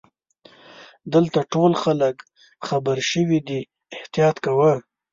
دلته ټول خلګ خبرشوي دي احتیاط کوه.